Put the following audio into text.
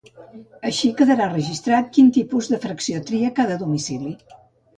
Així quedarà registrat quin tipus de fracció tria cada domicili.